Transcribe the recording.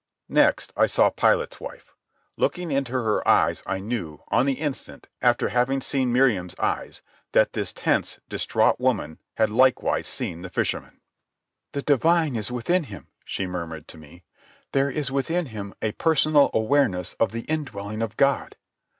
Next I saw Pilate's wife. Looking into her eyes I knew, on the instant, after having seen Miriam's eyes, that this tense, distraught woman had likewise seen the fisherman. "The Divine is within Him," she murmured to me. "There is within Him a personal awareness of the indwelling of God."